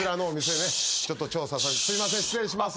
すいません失礼します。